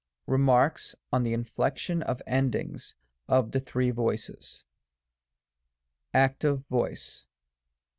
Remarks on the Inflection Endings of the Three Voices. active voice.